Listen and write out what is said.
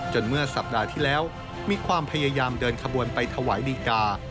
เมื่อสัปดาห์ที่แล้วมีความพยายามเดินขบวนไปถวายดีกา